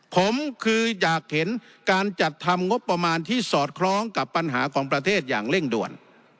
ผมคืออยากเห็นการจัดทำงบประมาณที่สอดคล้องกับปัญหาของประเทศอย่างเร่งด่วน